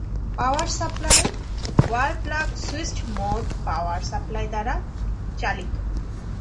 পাওয়ার supply: wall plug switched mode power supply দ্বারা চালিত।